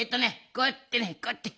こうやってねこうやって。